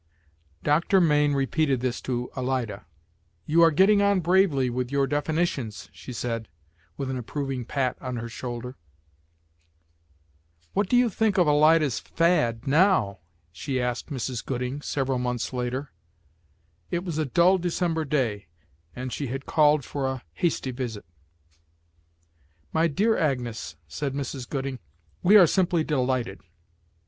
Doctor Mayne repeated this to Alida. "You are getting on bravely with your definitions," she said, with an approving pat on her shoulder. "What do you think of 'Alida's fad' now?" she asked Mrs. Gooding, several months later. It was a dull December day, and she had called for a hasty visit. "My dear Agnes," said Mrs. Gooding, "we are simply delighted!